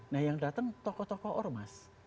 nah yang datang tokoh tokoh ormas